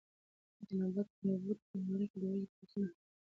د نبوت په مبارکه دور کي تقنین د اسماني وحي په واسطه سرته رسیږي.